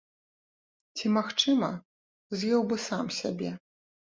Ці, магчыма, з'еў бы сам сябе.